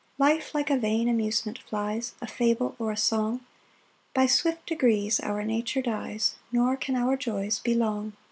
3 Life like a vain amusement flies, A fable or a song; By swift degrees our nature dies, Nor can our joys be long.